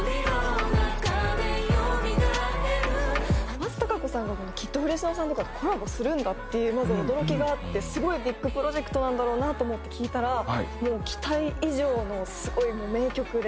松たか子さんがＫＩＤＦＲＥＳＩＮＯさんとかとコラボするんだっていうまず驚きがあってすごいビッグプロジェクトなんだろうなと思って聴いたらもう期待以上のすごい名曲で。